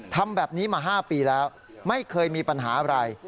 ทำแบบนี้มา๕ปีแล้วไม่เคยมีปัญหาอะไร